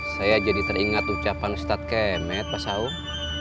saya jadi teringat ucapan ustadz kemed pak saung